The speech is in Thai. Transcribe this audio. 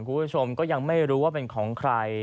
คุณผู้ชมก็ยังไม่รู้ว่าเป็นของใคร